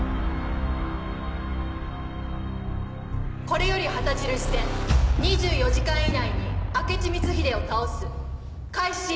これより旗印戦「２４時間以内に明智光秀を倒す」開始。